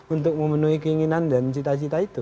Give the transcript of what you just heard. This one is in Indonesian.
untuk memenuhi keinginan dan cita cita itu